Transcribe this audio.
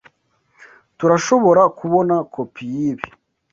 Turashobora kubona kopi yibi?